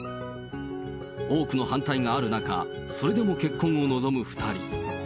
多くの反対がある中、それでも結婚を望む２人。